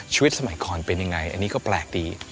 สมัยก่อนเป็นยังไงอันนี้ก็แปลกดี